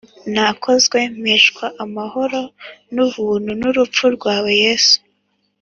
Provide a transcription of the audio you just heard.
nakoze, mpeshwa amahoro n'ubuntu n'urupfu rwawe, yesu.